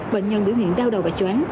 bệnh nhân biểu hiện đau đầu và chóng